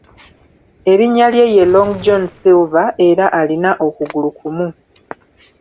Erinnya lye ye Long John Silver era alina okugulu kumu.